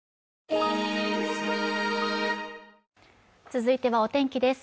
続いてはお天気です。